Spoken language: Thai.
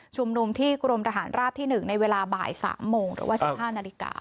นุมที่กรมทหารราบที่๑ในเวลาบ่าย๓โมงหรือว่า๑๕นาฬิกา